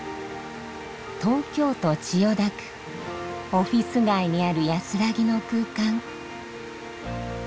オフィスがいにあるやすらぎの空間。